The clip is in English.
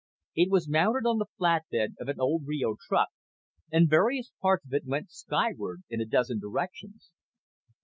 It was mounted on the flat bed of an old Reo truck, and various parts of it went skyward in a dozen directions.